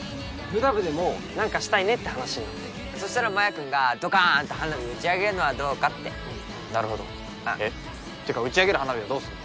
ムダ部でもなんかしたいねって話になってそしたらマヤ君がドカーンと花火打ち上げるのはどうかってなるほどえっ？ってか打ち上げる花火はどうする？